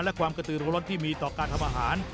และความกระตือร้นที่มีต่อการทำอาหาร